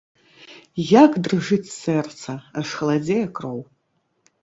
Як дрыжыць сэрца, аж халадзее кроў.